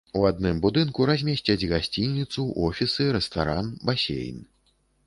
У адным будынку размесцяць гасцініцу, офісы, рэстаран, басейн.